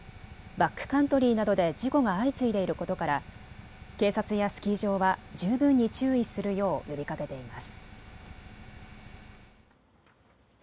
バックカントリーなどで事故が相次いでいることから警察やスキー場は十分に注意するよう呼びかけています。